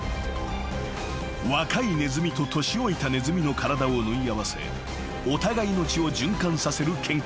［若いネズミと年老いたネズミの体を縫い合わせお互いの血を循環させる研究論文］